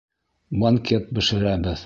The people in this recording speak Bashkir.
Банкет бешерәбеҙ!